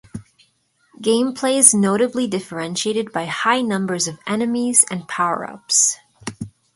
Gameplay is notably differentiated by high numbers of enemies and power-ups.